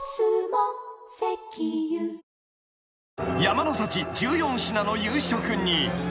［山の幸１４品の夕食に］